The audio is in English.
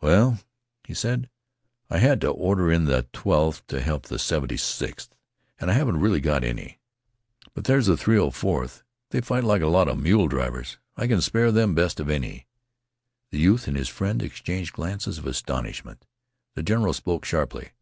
"Well," he said, "I had to order in th' 12th to help th' 76th, an' I haven't really got any. But there's th' 304th. They fight like a lot 'a mule drivers. I can spare them best of any." The youth and his friend exchanged glances of astonishment. The general spoke sharply.